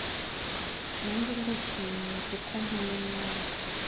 nange ndishimye kuko mpuye nawe